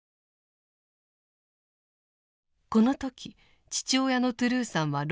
この時父親のトゥルーさんは６０代。